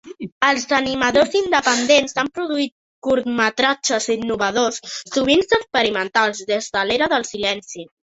Els animadors independents han produït curtmetratges innovadors, sovint experimentals, des de l'era del silenci.